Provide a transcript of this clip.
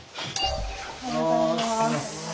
おはようございます。